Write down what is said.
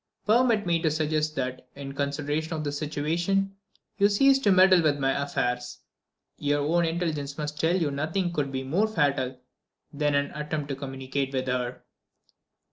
Permit me to suggest that, in consideration of this situation, you cease to meddle with my affairs. Your own intelligence must tell you nothing could be more fatal than an attempt to communicate with her."